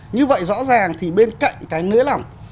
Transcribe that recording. như vậy rõ ràng thì bên cạnh cái nới lỏng